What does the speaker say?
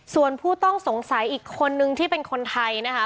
ส่วนผู้ต้องสงสัยอีกคนนึงที่เป็นคนไทยนะคะ